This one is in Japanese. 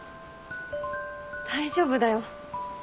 大丈夫だよ。